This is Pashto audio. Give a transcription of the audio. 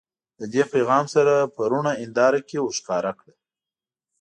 له دې پیغام سره په رڼه هنداره کې ورښکاره کړه.